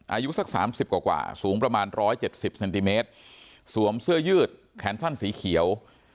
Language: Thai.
อายุสักสามสิบกว่าสูงประมาณ๑๗๐เซนติเมตรสวมเสื้อยืดแขนสั้นสีเขียว